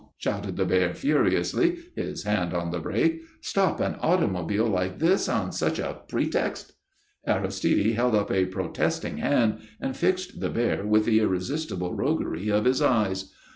_" shouted the bear, furiously, his hand on the brake. "Stop an automobile like this on such a pretext ?" Aristide held up a protesting hand, and fixed the bear with the irresistible roguery of his eyes.